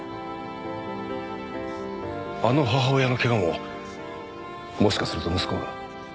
あの母親の怪我ももしかすると息子が。